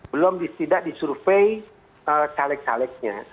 belum tidak disurvey caleg calegnya